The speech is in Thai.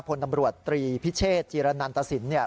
พลตำรวจตรีพิเชษจีรนันตสิน